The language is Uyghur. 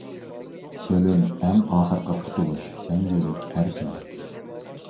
ئۆلۈم ئەڭ ئاخىرقى قۇتۇلۇش، مەڭگۈلۈك ئەركىنلىك.